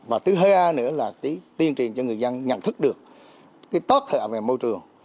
và thứ hai nữa là tiến trình cho người dân nhận thức được cái tốt hệ về môi trường